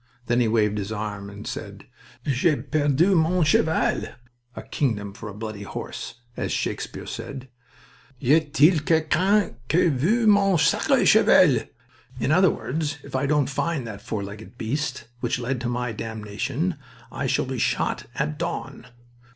Then he waved his arm and said: "J'ai perdu mon cheval" ("A kingdom for a bloody horse!"), "as Shakespeare said. Y a t'il quelqu'un qui a vu mon sacre cheval? In other words, if I don't find that four legged beast which led to my damnation I shall be shot at dawn.